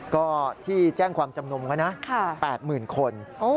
ก็ที่แจ้งความจำนวนไว้นะ๘๐๐๐คนนะครับครับโอ้